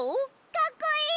かっこいい！